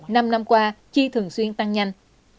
năm năm qua chi thường xuyên tăng nhanh